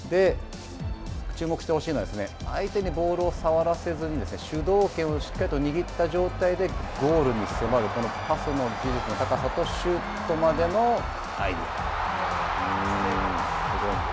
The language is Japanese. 注目してほしいのは相手にボールを触らせずに、主導権をしっかりと握った状態でゴールに迫る、このパスの技術の高さとシュートまでの入り。